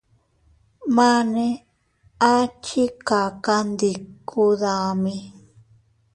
Mane a chikakandiku dami.